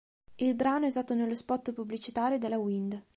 Il brano è usato nello spot pubblicitario della Wind.